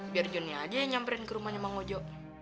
biar jonny aja yang nyamperin ke rumahnya emang ojo